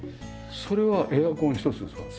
それはエアコン一つですか？